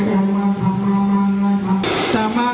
สุดท้ายสุดท้ายสุดท้าย